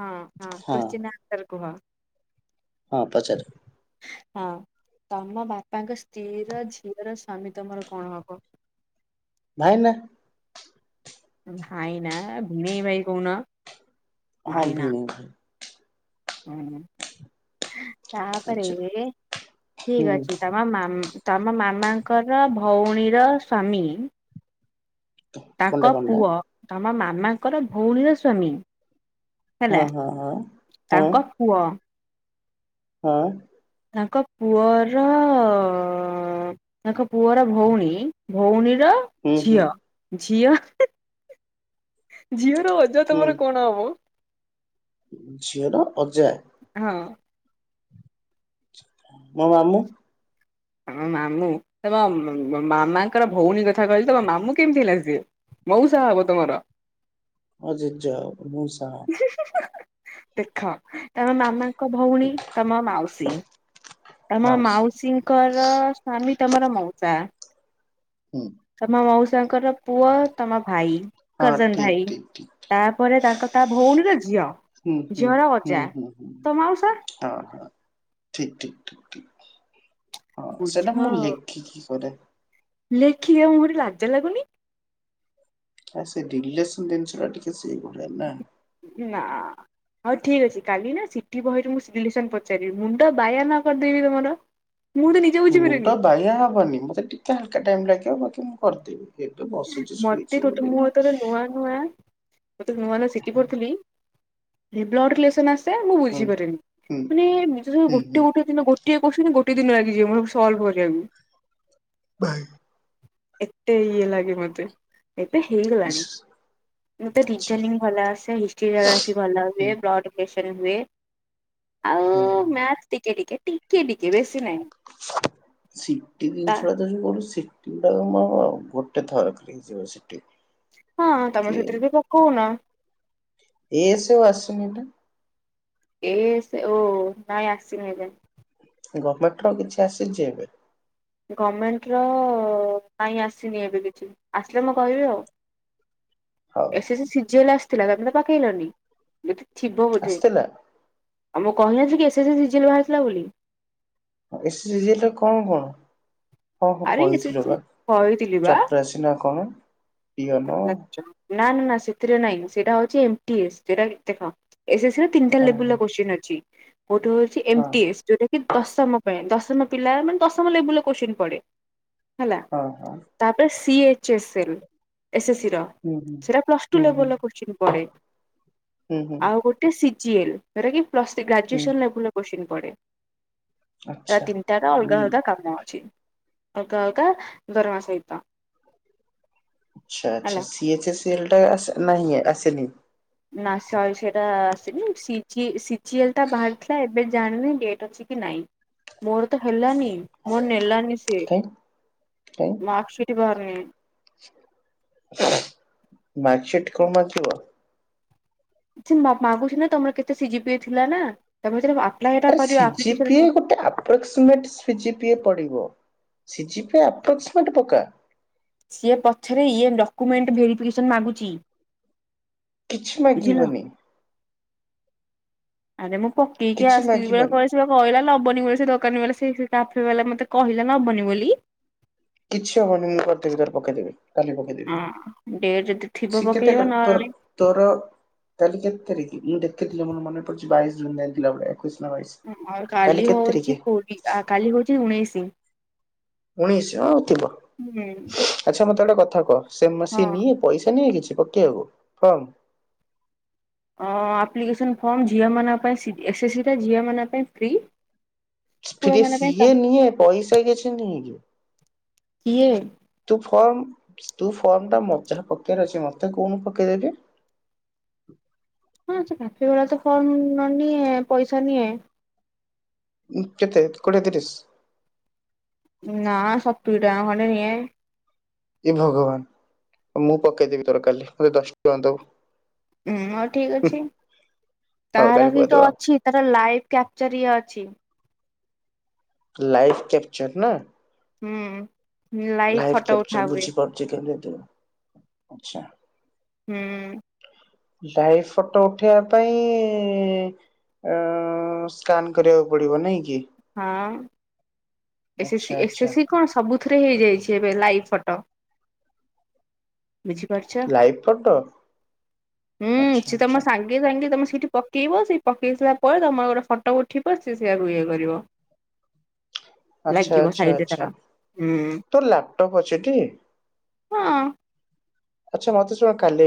ହଁ ହଁ କୋତ୍ସିନ ର ଆନ୍ସର୍ କୁହ? ହଁ ପଚାର? ହଁ ତମ ବାପାଙ୍କ ସ୍ତ୍ରୀର ଝିଅର ସ୍ଵାମୀ ତମର କଣ ହବ? ଭାଇନା। ଭାଇନା ଭିଣେଇ ଭାଇ କହୁନ। ହଁ ଭାଇନା ଭିଣେଇ ଭାଇ। ହୁଁ ତାପରେ ଆଚ୍ଛା ହୁଁ ଠିକ ଅଛି ତମ ମାମ ତମ ମାମାଙ୍କର ଭଉଣୀର ସ୍ଵାମୀ ତାଙ୍କ କଣଟା କଣଟା ପୁଅ ତମ ମାମାଙ୍କର ଭଉଣୀର ସ୍ଵାମୀ ହେଲା ହଁ ହଁ ହଁ ହଁ ତାଙ୍କ ପୁଅ ହଁ ତାଙ୍କ ପୁଅର ତାଙ୍କ ପୁଅର ଭଉଣୀ ଭଉଣୀର ହୁଁ ହୁଁ ଝିଅ ଝିଅ ଝିଅ ଅଜା ହୁଁ ତମର କଣ ହବ? ଝିଅର ଅଜା? ହଁ। ମୋ ମାମୁଁ ତମ ମାମୁଁ, ତମ ମ ମାମାଙ୍କର ଭଉଣୀ କଥା କହିଲି ତମ ମାମୁଁ କେମିତି ହେଲା ସିଏ? ମଉସା ହବ ତମର। ମୋ ଜେଜ ହବ ମଉସା ହବ। ଦେଖ ତମ ମାମାଙ୍କ ଭଉଣୀ ତମ ମାଉସୀ ତମ ମାଉସୀ ଙ୍କର ସ୍ଵାମୀ ତମର ମଉସା ହୁଁ। ତମ ମଉସାଙ୍କର ପୁଅ ତମ ଭାଇ ହଁ କଜନ୍ ଠିକ ଭାଇ ଠିକ ଠିକ ତାପରେ ତାଙ୍କ ତା ଭଉଣୀର ଝିଅ ହୁଁ ହୁଁ ଝିଅର ହୁଁ ଅଜା ହୁଁ ହୁଁ ତ ମଉସା। ହଁ ହଁ ଠିକ୍ ଠିକ୍ ଠିକ୍ ଠିକ୍ ହଁ ବୁଝ ସେଟା ମୁଁ ଲେଖ୍ ଖିକି କରେ। ଲେଖିବେ ମୁହଁ ରେ ଲାଜ ଲାଗୁନି। ଆ ସେ ରିଲେସ୍‌ନ ଜିନିଷ ଟା ଟିକେ ସେଇ ଭଳିଆ ନା। ନା। ହଉ ଠିକ୍ ଅଛି କାଲି ନା ସିଟି ବହିରୁ ମୁଁ ରିଲେସନ୍ ପଚାରିବି ମୁଣ୍ଡ ବାୟା ନ କରିଦେବି ତମର। ମୁଁ ଦେମି। ମୁଣ୍ଡ ବାୟା ହବନି ମତେ ଟିକେ ହାଲ୍କା ଟାଇମ୍ ଲାଗିବ ବାକି ମୁଁ କରିଦେବି। ଏଇଟିତ ବସିଚି ଶୋଇଚି ବୋଲି ନା। ନୂଆ ନୁଆ ଯେତେବେଳେ ନୂଆ ହେଲା ସିଟି ପଢ଼ୁଥିଲି ବ୍ଲଡ଼୍ ରିଲେସନ୍ ଆସେ ସେତେ ମୁଁ ହୁଁ ବୁଝିପାରେନି ହୁଁ ମାନେ ନିଜ ହୁଁ ହୁଁ ଗୋଟେ ଗୋଟେ ଦିନ ଗୋଟେ ଗୋଟିଏ କୁସ୍ଚିନ୍ ଗୋଟିଏ ଦିନ୍ ଲାଗିି ଯିବ ସଲ୍ଭ୍ କରିବାକୁ। ଭାଇ। ଏତେ ଇଏ ଲାଗେ ମତେ। ଏବେ ହେଇଗଲାଣି ଆଚ୍ଛା ମତେ ରିଜନିଂ ଭଲ ଆସେ ହିଷ୍ଟ୍ରି ଜୋଗ୍ରାଫି ଭଲ ହୁଁ ହୁଏ ବ୍ଲଡ଼୍ ପ୍ରେସର ହୁଏ ଆଉ ହୁଁଁ। ନାଁ ଟିକେ ଟିକେ ଟିକେ ଟିକେ ବେଶୀ ନାହିଁ। ସିଟି ତା ଜିନିଷ। ସେଟା ବି ମୋର ସିଟି ଟା ମୋର ଗୋଟେ ଥରକରେ ହେଇଯିବ ସିଟି। ହଁ ତମେ କି ସେଥିରେ ବି ପକଉନ। ଏ ସୋ ଆସୁନି ନା? ଏ ସେ ଓ କାଇଁ ଆସି ନାଇଁ କାଇଁ। ଗମେଣ୍ଟ୍ ର କିଛି ଆସିଚି ଏବେ? ଗମେଣ୍ଟ୍ ର କାଇଁ ଆସିନି ଏବେ କିଛି ଆସିଲେ ମୁଁ କହିବି ଆଉ। ହଉ। ସେ ସେ ସିଜଲ୍ ଆସିଥିଲା ତମେ ତ ପକେଇଲନି ଏବେ ତ ଥିବ ବୋଧେ। ଆସିଥିଲା ଆ ମୁଁ କହିନଥିଲି S S C G L ବାହାରିିଥିଲା ବୋଲି। ଏସ୍‌ ସି ଜି ଏଲ ର କଣ କଣ? ହଁ ହଁ ଆରେ ଏସ୍ ଏସ୍ କହିଥିଲ ସି ପା କହିଥିଲି ବା। ଚପରାସି ନା କଣ ପିଅନ ନା ନା ନା ସେଥିରେ ନାଇଁ ସେଟା ହଉଚି ଏମ୍ପ୍ଟି ଏସ୍ ସେଟା ଦେଖ। ଏସ୍ ଏସ୍ ସି ରେ ତିନିଟା ହଁ ହଁ ଲେବୁଲର କୋସ୍ଚିନ୍ ଅଛି ଗୋଟେ ହଉଚି ହଁ ଏମ୍ପଟିସ୍ ଯଉଟା କି କି ଦଶମ ପାଇଁ ଦଶମ ପିଲା ମାନେ ଦଶମ ଲେବୁଲ୍ ର କୋଶ୍ଚିନ୍ ପଡ଼େ। ହେଲା। ହଁ ହଁ। ତାପରେ C H S L SSC ର। ହୁଁ ହୁଁ। ସେଟା ପ୍ଲସ୍ ହୁଁ ଟୁ ହୁଁ ଲେବେଲ୍ ର କୋଶ୍ଚନ୍ ପଡେ ହୁଁ ହୁଁ ଆଉ ଗୋଟ୍ ଟେ ସିଜିଏଲ୍ ଯଉଟା କି ପ୍ଲସ୍ ଥ୍ରୀ ହୁଁ ଗ୍ରାଜୁଏସନ୍ ଲେବେଲ୍ ର କୋସ୍ଚିନ୍ ପଡେ। ଏଟା ଆଚ୍ଛା। ତିନିଟା ର ଅଲଗା ହୁଁ ଅଲଗା କାମ ଅଛି ଅଲଗା ଅଲଗା ଦରମା ସହିତ। ଆଛା ହେଲା। ଆଛା ସି ଏଚ ସି ଏଲ ଟା ଆସେ ନାଁ ହିଁ ଆସେନି। ନା ସରି ସେଇଟା ଆସିନି ସିଜିଏ ସିଜିିଏଲ ଟା ବାହାରିଥିଲା ଏ ଏବେ ଜାଣିନି ଡେଟ୍ ଅଛି କି ନାଇଁ ମୋର ତ ହେଲାନି ମୋର ନେଲାନି। ସିଏ କାଇଁ ମାର୍କଶିଟ୍ ବାହାରିନି। ମାର୍କସିଟ କମ୍ ଆସିବ। ସେ ମା ମାଗୁଛି ନା, ତମର କେତେ ସିଜିପିଏ ରେ ଥିଲାନା, ତମେ ସେଟାକୁ ଆପ୍ଲାଏ ଟା କରିବା, ଆପ୍ଲିକେସନ ଫ ଆପ୍ରାକ୍ସମେଟ ସିଜିପିଏ ପଡିବ, ସିଜିପିଏ ଆପ୍ରାକ୍ସମେଟ ପକା। ସିଏ ପଛରେ, ଇଏ ଡକ୍ୟୁମେଣ୍ଟ ଭେରିଫିକେସନ ମାଗୁଚି। କିଛି ମାଗିବନି। ଆରେ ମୁଁ ପକେଇକି କିଛି ଆସିଲି ପରା ମାଗିବନି। [unintelligible] ସିଏପା କଇଲା ନବନି ବୋଲି, ସେ ଦୋକାନୀ ବାଲା, ସେ ସେ କାଫେ ବାଲା ମତେ କହିଲା ନବନି ବୋଲି। କିଛି ହବନି, ମୁଁ କରଦେବି, ତୋର ପକେଇଦେବି। କାଲି ପକେଇଦବି, ହଁ ଡେଟ୍ ଯଦି ଥିବ ସେ କେତେ ପକେଇବ ଟ ତୋର ନହେଲେ ତୋର କାଲି କେତେ ତାରିକ୍, ମୁଁ ଦେଖିଥିଲି ମୋର ମନେ ପଡୁଛି ବାଇଶ ଜୁନରେ ଏମିତି ଥିଲା ଭଳିଆ। ଏକୋଇସି ନାଁ ବାଇସି? ଆଉ କାଲି ହଉଚି କୋଡି, ଆ କାଲି ହଉଛି ଉଣେଇଶି। ଉଣେଇଶ ହଁଥିବ, ହୁଁ ଆଛା ମତେ ଗୋଟେ କଥା କହ, ସେମ ସେ ହଁ। ନିଏ? ପଇସା ନିଏ କିଛି ପକେଇବାକୁ, ଫର୍ମ। ଅଁ ଅ, ଆପ୍ଲିକେସନ୍ ଫର୍ମ ଝିଅମାନଙ୍କ ପାଇଁ, ସିଜି ଏ ସେ ସି ଟା, ଝିଅମାନଙ୍କ ପାଇଁ ଫ୍ରି। ପୁଅ ଫ୍ରିଏ ମାନଙ୍କ ପାଇଁ ତା ସିଏ ନିଏ, ପଇସା କିଛି ନିଏକି? କିଏବେ? ତୁ ଫର୍ମ, ତୁ ଫର୍ମ ଟା ମଝିରେ ପକେଇବାର ଅଛି, ମତେ କହୁନୁ ପକେଇଦେବି। ହଁ, ସେ ପକେଇବାକୁତ ତ ଫର୍ମ ନନିଏ, ପଇସା ନିଏ। ଉଁ କେତେ, କୋଡିଏ ତିରିଶି? ନା, ସତୁରି ଟଙ୍କା ଖଣ୍ଡେ ନିଏ। ଏ ଭଗବାନ, ମୁଁ ପକେଇଦେବି ତୋର କାଲି, ମତେ ଦଶଟଙ୍କା ଦବୁ। ହୁଁ ହଉ ଠିକ ଅଛି, ହଉ ତାର କାଲି କିନ୍ତୁ ପକେଇଦବା ଆଉ ଅଛି ତାର ଲାଇଭ କ୍ୟାପଚର ଇଏ ଅଛି। ଲାଇଫ୍ କ୍ୟାପଚର ନା? ହୁଁ, ଲାଇଭ ଫଟୋ ଉଠା ହୁଏ। [unintelligible] ଆଛା। ହୁଁ। ଲାଇଭ ଫଟୋ ଉଠେଇବା ପାଇଁ ଇଁ ଆଁ, ସ୍କାନ କରିବାକୁ ପଡ଼ିବ ନହିଁ କି? ହଁ, ଏ ସେ ଆଚ୍ଛା ସି ଏ ସେ ଆଚ୍ଛା ସି କଣ ସବୁଥିରେ ହେଇଯାଇଛି ଏବେ ଲାଇଭ ଫଟ। ବୁଝିପାରୁଚ? ଲାଇଭ ଫଟୋ ହୁଁ, ଆଚ୍ଛା ସେ ତ ଆଚ୍ଛା ମୋ ସାଙ୍ଗ ପକେଇବନି, ତମେ ସେଇଠି ପକେଇବ, ସେଇ ପକେଇ ସାରଲା ପରେ ତମର ଗୋଟେ ଫଟୋ ଉଠିବ, ସେ ସେଇଆକୁ ଇଏ କରିବ। ଆଚ୍ଛା ଲାଗିବ ଆଚ୍ଛା ସାଇଟରେ ଆଚ୍ଛା ତାର, ହୁଁ। ତୋର ଲାପଟପ୍ ଅଛି ଟି ହଁ। ଆଛା, ମତେ ଶୁଣୁ, କାଲି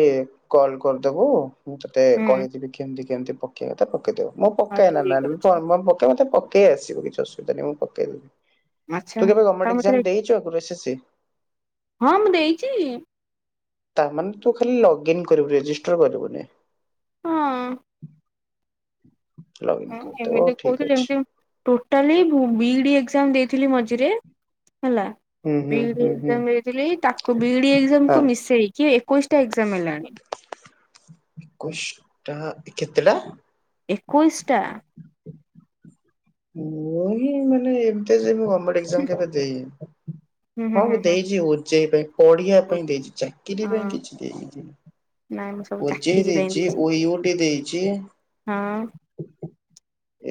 କଲ କରିଦବୁ, ମୁଁ ତତେ ହୁଁ କହିଦେବି କେମତି କେମତି ପ ପକେଇବାକଥା ପକେଇଦବୁ, ମୁଁ ହଁ ପକାଏନା ଠିକ ନାଣ୍ଡୁ ବି ଅଛି ଫର୍ମ ଫର୍ମ ପକାଏ, ମୁଁ ତ ପକା ମତେ ଆସିବ କିଛି ଅସୁବିଧା ନାହିଁ, ମୁଁ ପକେଇ ଦେବି, ଆଚ୍ଛା ତୁ କେବେ ତା ଗମେଣ୍ଟ ମତରେ ଏକ୍ଜାମ ଦେଇଛୁ ଆଗରୁ ଏ ସେ ସି? ହଁ ମୁଁ ଦେଇଚି। ତାମାନେ ତୁ ଖାଲି ଲଗ୍ଇନ କରିବୁ, ରେଜିଷ୍ଟର କରିବୁନି। ହଁ। ଲଗ୍ଇନ୍ ହଁ, କରିଦବୁ ଏମିତି ଠିକ୍ କଉଥୁଲୁ, ଅଛି। ଏମତି ଟୋଟାଲି ବୁ ବିଇଡି ଏକ୍ଜାମ ଦେଇଥିଲି ମଝିରେ। ହେଲା। ହୁଁ ହୁଁ ବିଇଡି ହୁଁ ହୁଁ ଏକ୍ଜାମ ଦେଇଥିଲି, ତାକୁ ବିଇଡି ହଁ ଏକ୍ଜାମକୁ ମିସେଇକି, ଏକୋଇଶ ଟା ଏକ୍ଜାମ ହେଲାଣି। ଏକୋଇଶି ଟା! କେତେଟା? ଏକୋଇଶଟା। ମୁଁ ହିଁ ମାନେ ଏମିତି ସେ ମୁଁ ଗେମେଣ୍ଟ ଏକ୍ଜାମ କେବେ ଦେଇନି ହୁଁ ହଁ ହୁଁ ମୁଁ ହୁଁ ଦେଇଛି ଉଜେଇ ପାଇଁ। ପଢିଆ ହୁଁ ପାଇଁ ଦେଇଛି ଚାକିରି ପାଇଁ ହଁ କିଛି ଦେଇନି। ନାଇଁ ମୁଁ ସବୁ ଓଚେ ଚାକିରି ପାଇଁ ଦେଇଛି ଓଇ ଓଠେ ଦେଇଛି। ହଁ।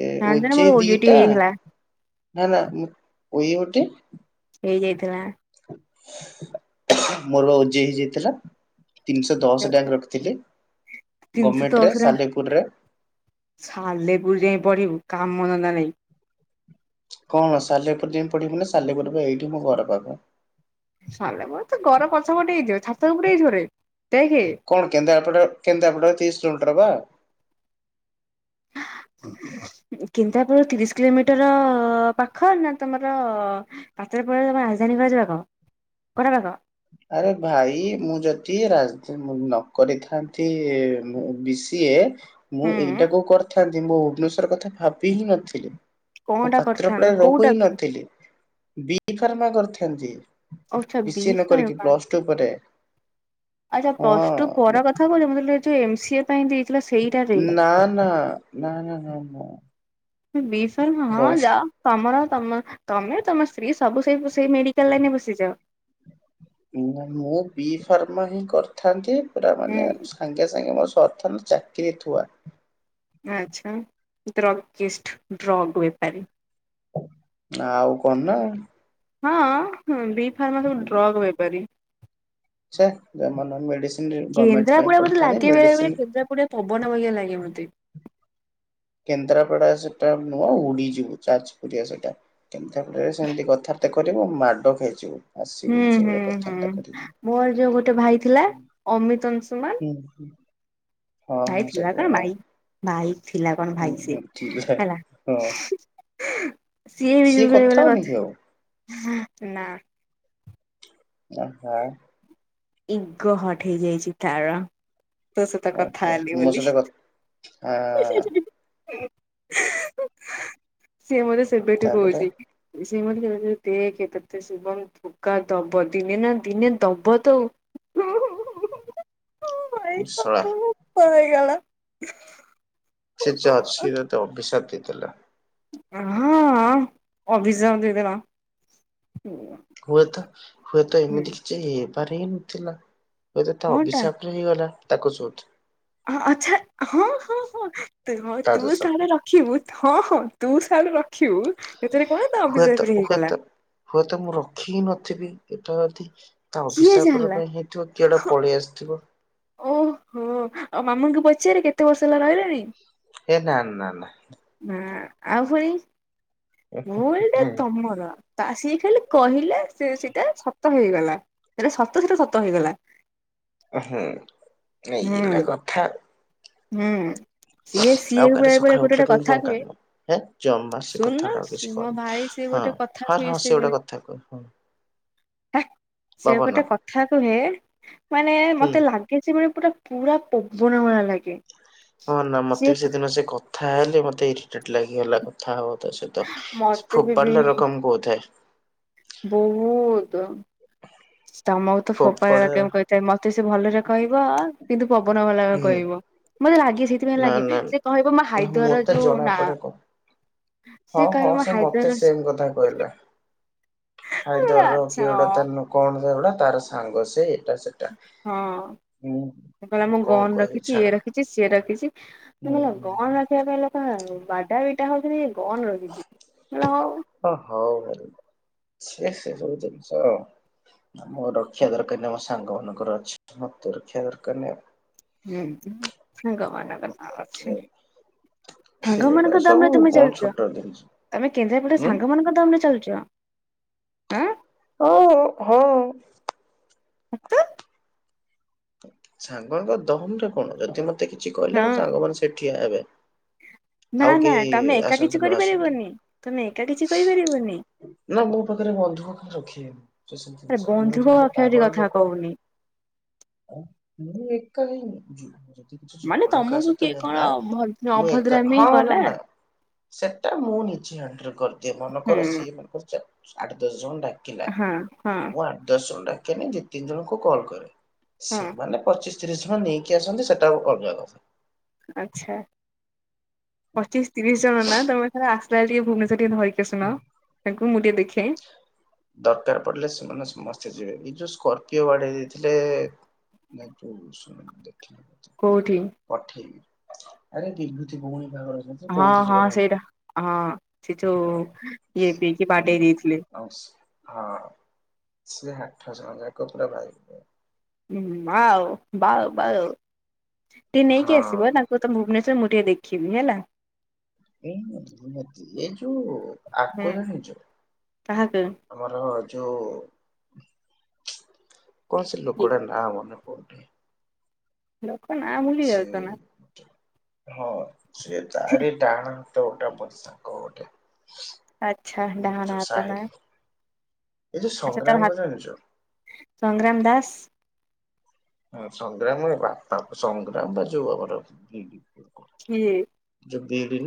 ଏଇ ଜାଣିଛ ନା ଓଯେ ମୋର ଓୟୁଟି ଦିଟା ହେଇଥିଲା ନା ନା ଉଇ ହୋଟେ। ହେଇ ଯାଇଥିଲା। ମୋର ବା ଉଜେଇ ହେଇ ଯାଇଥିଲା। ତିନିଶହ ଦଶ ଡ୍ୟାଙ୍କ ରଖିଥିଲି। ତିନିଶ ଗଭର୍ଣ୍ଣମେଣ୍ଟରେ ଦଶରେ ସାଲେପୁରରେ ସାଲେପୁର ଯାଇ ପଢିବୁ କାମ ଧନ୍ଦା ନାଇଁ। କଣ ସାଲେପୁର ଯାଇ ପଢିବୁ ନା ସାଲେପୁର ଏଇଠି ମୋ ଘର ପାଖ। ସିଲେ ପରେ ତ ଘର ପଛ ପଟେ ହେଇଥିବ ଛାତ ଉପରେ ଦେଖେ। କଣ କେନ୍ଦ୍ରାପଡା କେନ୍ଦ୍ରାପଡ଼ା ତିରିଶ କିଲୋମିଟର ପା। କିନ୍ଦ୍ରାପଡ଼ା ତିରିଶ କିଲୋମିଟର ପାଖ ନା ତମର ପାତରେ ପରେ ତମେ ରାଜଧାନୀ କରାଯିବ କୋଉଟା ପାଖ? ଆରେ ଭାଇ ମୁଁ ଯଦି ରାଜୀତି ନ କରିଥାନ୍ତି ମୁଁ ବି ସିଏ ମୁଁ ହୁଁ ଏଇଟାକୁ କରିଥାନ୍ତି ମୁଁ ଭୁବନେଶ୍ୱର କଥା ଭାବି ହିଁ ନଥିଲି। ମୁଁ କଣଟା ପାତ୍ର କରିଥାନ୍ତ ପଡା ରହୁ କୋଉଟାକୁ ନଥିଲି ବି ଫାର୍ମା କରିଥାନ୍ତି। [unintelligible] ସେପଟେ। ଆଚ୍ଛା ପ୍ଲସ୍ ଟୁ ପର କଥା କହୁଚ ମୁଁ କହିଲି ଯୋଉ ଏମ୍ ସି ଏ ପାଇଁ ଦେଇଥିଲା ସେ। ନା ନା ନା ନା ନା ନା। ବିଷଲ୍ ହଁ ପ୍ଲସ୍ ଯା। ତମର ତମ ତମେ ତମ ସ୍ତ୍ରୀ ସବୁ ସେଇ ସେ ମେଡିକାଲ ଲାଇନରେ ବସିଯାଅ। ମୁଁ ବି ଫାର୍ମ ହିଁ କରିଥାନ୍ତି ପୁରା ମାନେ ହୁଁ ସାଙ୍ଗେ ସାଙ୍ଗେ ମୋର ସଥନ ଚାକିରି ଥୁଆ। ଆଚ୍ଛା ଡ୍ରଗ କିଷ୍ଟ ଡ୍ରଗ୍ ବେପାରୀ। ଆଉ କଣ ନା। ହଁ ବି ଫାର୍ ସବୁ ଡ୍ରଗ୍ ବେପାରୀ। ସେ ମେଡିସିନ ଗମେଣ୍ଟ ପାଇଁ କେନ୍ଦ୍ରାପଡା ମତେ ପଡ଼ିଥାନ୍ତି ଲାଗେ ବେଳେ ବେଳେ ମେଡିସିନ। କେନ୍ଦ୍ରାପଡା ପବନ ଭଳିିଆ ଲାଗେ ମୋତେ। କେନ୍ଦ୍ରାପଡା ସେଟା ନୁହଁ ଉଡିଯିବ ଯାଜପୁରିଆ ସେଟା କେନ୍ଦ୍ରାପାରେ ସେମିତି କଥା। ଏତେ କରିବୁ ମାଡ଼ ଖାଇଯିବୁ ହୁଁ ଆସିବୁ ହୁଁ ସେଭଳିଆ ହୁଁ। କଥାବାର୍ତ୍ତା କରିବ। ମୋର ଯୋଉ ଗୋଟେ ଭାଇ ଥିଲା ଅମିତ ଅଂଶୁମାନ। ହୁଁ ହୁଁ ହଁ ହଁ ଭାଇ ଥିଲା ସେଠୁ କଣ ହଁ ଭାଇ। ଭାଇ ଥିଲା କଣ ହୁଁ ଭାଇ ହୁଁ ସିଏ ଥିଲା ହେଲା। ହଁ ସିଏ ବି ଯିବ କଥା ହଉନି କି ଆଉ କଥା ନା। ଆ ହା। ଇଗୋ ହଟ୍ ହେଇଯାଇଛି ତାର। ତୋ ସତ କଥା ଓହୋ ହେଲି ମୋ ବୋଲି। ସହିତ କଥା ଆ ସିଏ ମତେ ସେବେଠୁ ତାପରେ କହୁଛି। [unintelligible] ଶୁଭମ। ଧୋକା ଦବ ଦିନେ ନା ଦିନେ ଦବ ତ ଆଉ। ନିଶ୍ଚୟ। [unintelligible] ହେଇଗଲା। ସେ [unintelligible] ଅଭିଶାପ [unintelligible] ହଁ ହଁ ଅଭିଶାପ ଦେଇ ଦେଲା। ହୁଏତ ହୁଏତ ଏମିତି କିଛି ହେବାର ହିଁ ନଥିଲା, ହୁଏତ ତ କଣଟା ଅଭିଶାପ ହେଇଗଲା ତାକୁ ଆଚ୍ଛା ହଁ ହଁ ହଁ [unintelligible] ତା ତୁ ଦୋଷ ତାହଲେ ରଖିବୁ। ହଁ ହଁ ତୁ ତାହେଲେ ରଖିବୁ। [unintelligible] ହୁଏତ ହେଇଗଲା ହୁଏତ ହୁଏତ ମୁଁ ରଖି ହି ନଥିବି ଏଟା ଯଦି ତା କିଏ ଅଭିସାପର ଜାଣିଲା ପାଇଁ ହେଇଥିବ କି ଏଇଟା ପଳେଇ ଆସିଥିବ। ଓହୋ ଆଉ ମାମାଙ୍କୁ ପଚାରେ କେତେ ବର୍ଷ ହେଲା ରହିଲାଣି। ଏ ନା ନା ନା। ନାଁ ଆଉ ଫୁଣି ଭୁଲଟା ହୁଁ ତମର। ତ ଆସିକି ଖାଲି କହିଲେ ସେ ସେଇଟା ସତ ହେଇଗଲା ସେଟା ସତ ସେଟା ସତ ହେଇଗଲା। ହୁଁ ଏଇହେଲା କଥା। ହୁଁ ହୁଁ। ସିଏ ଆଉ [unintelligible] କାଲି ଗୋଟେ ସକାଳୁ ଉଠିଲେ ଗୋଟେ ପୁଣି କଥା କଣ କୁହେ କାମ ହେ ଜମା ସେ ଶୁନ କଥାଟା ଆଉ କିଛି ମୋ କହନି ଭାଇ ସିଏ ହଁ ଗୋଟେ କଥା ହଁ ହୁଏ ହଁ ସେ ସିଏ ଗୋଟେ ବେଳେ ବେଳେ କଥା କହ ହଁ ହେ ସେ ପବନ ଗୋଟେ କଥା କୁହେ ମାନେ ହୁଁ ମତେ ଲାଗେ- ସେ [unintelligible] ପୁରା ପବନ ଭଳିଆ ଲାଗେ। ହଁ ନା ସିଏ ମତେ ବି ସେଦିନ ସେ କଥା ହେଲେ ମତେ ଇରିଟେଟ ଲାଗିଗଲା କଥା ହବାକୁ ତା ସହିତ। ତ ସେ ମତେ ବି ଫୋପାଡିଲା ରକମ କହୁଥାଏ। ବୋହୁତ। ତମକୁ ତ ଫୋପାଡିଲା ଫୋପାଡା ରକମ କହିଥାଏ ମତେ ସେ ଭଲରେ କହିବ କିନ୍ତୁ ପବନ ବାଲା ହୁଁ କହିବ। ମତେ ଲାଗେ ସେଇଥିପାଇଁ ନା ଲାଗେ ନା ସେ କହିବ ମା ହାଇଦ୍ୱାର ମତେ ଯୋଉ ଜଣା ନା ପଡେ କ ସେ ହଁ ହଁ କହିବ ମୋ ସେ ହାଇଦର ମତେ ସେମ୍ କଥା କହିଲା। ହାଇ ଦର ର ଆଚ୍ଛା କି [unintelligible] ହଁ ତା କଣଟା ତାର ସାଙ୍ଗ ସେ ଏଇଟା ସେ ହଁ ହୁଁ। ସେ କହିଲା ମୁଁ କଣ ଗନ୍ କହିବି ରଖିଛି ଇଏ ଛାଡ ରଖିଛି ସିଏ ରଖିଛି ହୁଁ [unintelligible] ହୁଁ ଗଣ ରଖି ସେ କହିଲା ପା ବାଡାପିଟା ହୋଉଛନ୍ତି କନ ରଖିଛି [unintelligible] ହ ହଉ [unintelligible] ସେ ସବୁ ଜିନିଷ ଆଉ ମୋ ରକ୍ଷା କର [unintelligible] ଆମ ସାଙ୍ଗ ମାନଙ୍କର ଅଛି ମତେ ରକ୍ଷା କର ମାନେ ଦରକାର ନାହିଁ। ହୁଁ ସାଙ୍ଗମାନଙ୍କ ସହ ଅଛି। ସେଗୁଡା ସାଙ୍ଗମାନଙ୍କ ଦମ୍ ସବୁ ରେ ତମେ କଣ ଚାଲୁଚ? ଛୋଟ ଜିନିଷ ତମେ କେନ୍ଦ୍ରାପଡ଼ାରେ ଉଁ। ସାଙ୍ଗ ମାନଙ୍କ ଦମରେ ଚାଲୁଚ ହଁ। [unintelligible] ସତ ସାଙ୍ଗଙ୍କ ଦମରେ କଣ ଯଦି ମତେ କିଛି କହିଲା ହଁ। ମୋ ସାଙ୍ଗ ମାନ ସେଠିଆ ହେବେ। ନା ଆଉ ନା କେହି ତମେ ଏକା କିଛି ଆସନ୍ତୁ ନ ଆସନ୍ତୁ। କରିପାରିବନି ତମେ ଏକା କିଛି କରିପାରିବନି ନା ମୋ ପାଖରେ ବନ୍ଧୁକ କେହି ରଖିବେନି ସେସବୁ ଆରେ ଜିନିଷ ମୁଁ ବନ୍ଧୁକ ଯେମିତି ରଖାରଖି ପାଗଳ କଥା ଲୋକ। କହୁନି ମୁଁ ଏକା ହେଇନି ଯଦି କିଛି ମାନେ ଝଗଡ଼ା କାହା ତମକୁ ସହିତ କିଏ କଣ ହେଲା ଭ ମୁଁ ଅଭଦ୍ରାମି ହଁ ହଁ କଲା ନନା ସେଟା ମୁଁ ନିଜେ ହାଣ୍ଡେଲ କରିଦିଏ, ମନେ କର ହୁଁ ସିଏ [unintelligible] ଆଠ ଦଶ ଜଣ ଡାକିଲା ହଁ ହଁ ମୁଁ ଆଠ ଦଶ ଜଣ ଡାକେନି ଦିଇ ତିନି ଜଣଙ୍କୁ କଲ୍ କରେ। ହଁ ସେମାନେ ପଚିଶ ତିରିଶ ଜଣ ନେଇକି ଆସନ୍ତି ସେଟା ଅଲଗା କଥା। ଆଚ୍ଛା ପଚିଶ ତିରିଶ ଜଣ ନା ତମେ ଥରେ ଆସିଲା ବେଳେ ଟିକେ ଭୁବନେଶ୍ୱ ସେ ଟିକେ ଧରିକି ଆସୁନ ତାଙ୍କୁ ମୁଁ ଟିକେ ଦେଖେଇଁ। ଦରକାର ପଡିଲେ ସେମାନେ ସମସ୍ତେ ଯିବେ ଏ ଯୋଉ ସ୍କର୍ପିଓ ବାଡେଇ ଦେଇଥିଲେ। ହଁ ଶୁଣ ଦେଖିଲ। କଉଠି? ପଠେଇବି ଆରେ ବିଭୂତି ଭଉଣୀ ବାହାଘରରେ। ହଁ ହଁ ସେଇଟା ହଁ ସେ ଯୋଉ ଇଏ ପିଇକି ବାଡେଇ ଦେଇଥିଲେ। ଆଉ ସିଏ ହଁ ସେ ହାଆଠ ଜଣ ଯାକ ପୁରା [unintelligible] ଉ ବାଉ ବାଉ ବାଉ ଟିକେ ହଁ ନେଇକି ଆସିବ ହେଲା। ମୁଁ ତ ଭୁବନେଶ୍ୱର ମୁଁ ଟିକେ ଦେଖିବି ହେଲା ଏ ଏ ଯୋଉ ହୁଁ ଆକୁ ଜାଣିଛୁ। କାହାକୁ ଆମର ଯଉ କଣ ସେ କି ଲୋକ ଟା ନା ମନେ ପଡୁନି। ଲୋକ ନାଁ ଭୁଲି ସେ ଯାଉଛ ନା। ହଁ ସେ ତାରି ଡାହାଣ ହାତ ଗୋଟା ପ ସାଙ୍କ ଗୋଟେ। ଏ ଯୋଉ ସାହିଲ୍ ଏଇ ଯୋଉ ସଂଗ୍ରାମ କୁ ଜାଣିଛ? ସଂଗ୍ରାମ ଦାସ। ହଁ ସଂଗ୍ରାମର ବାପା ସଂଗ୍ରାମ ବା ଯୋଉ ଆମର - କିଏ? ଯଉ ବିିଡ଼ି ନା।